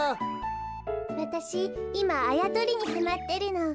わたしいまあやとりにはまってるの。